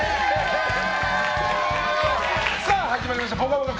さあ、始まりました「ぽかぽか」